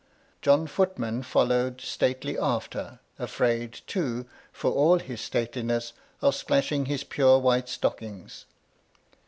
John Footman followed, stately, after ; afraid too, for all his stateliness, of splashing his pure white stockings.